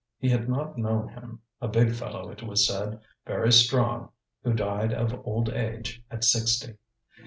He had not known him a big fellow, it was said, very strong, who died of old age at sixty.